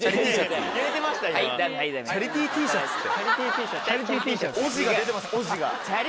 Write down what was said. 「チャリティーＴシャツ」って。